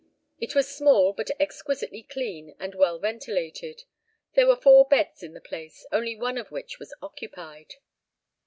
It was small, but exquisitely clean and well ventilated. There were four beds in the place, only one of which was occupied.